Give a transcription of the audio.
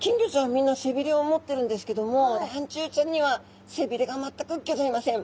みんな背びれを持ってるんですけどもらんちゅうちゃんには背びれが全くギョざいません。